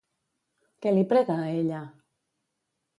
Què li prega a ella?